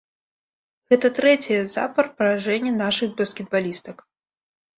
Гэта трэцяе запар паражэнне нашых баскетбалістак.